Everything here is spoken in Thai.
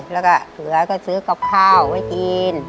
แล้วก็เหลือก็ซื้อกับข้าวไว้กิน